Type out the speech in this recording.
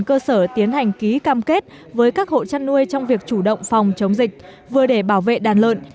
cơ sở tiến hành ký cam kết với các hộ chăn nuôi trong việc chủ động phòng chống dịch vừa để bảo vệ đàn lợn